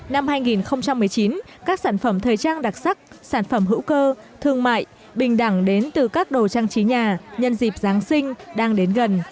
năm hai nghìn một mươi chín các sản phẩm thời trang đặc sắc sản phẩm hữu cơ thương mại bình đẳng đến từ các đồ trang trí nhà nhân dịp giáng sinh đang đến gần